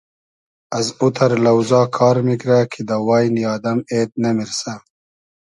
از اوتئر لۆزا کار میگرۂ کی دۂ واینی آدئم اېد نئمیرسۂ